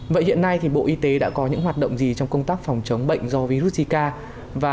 vậy hiện nay thì bộ y tế đã có những hoạt động gì trong công tác phòng chống bệnh do virus zika